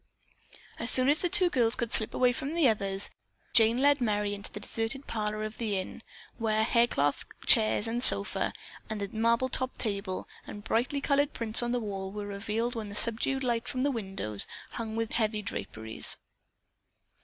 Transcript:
As soon as the two girls could slip away from the others, Jane led Merry into the deserted parlor of the inn, where hair cloth chairs and sofa, a marble topped table, and bright colored prints on the wall were revealed in the subdued light from windows hung with heavy draperies.